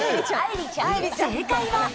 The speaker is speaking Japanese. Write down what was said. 正解は。